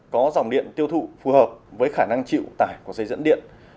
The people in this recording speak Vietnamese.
có dòng điện tiêu thụ phù hợp với khả năng chịu tải của dây dẫn điện